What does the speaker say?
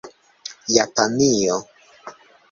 Japanio